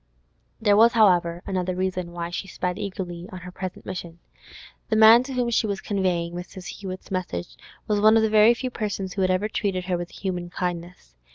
There was, however, another reason why she sped eagerly on her present mission. The man to whom she was conveying Mrs. Hewett's message was one of the very few persons who had ever treated her with human kindness.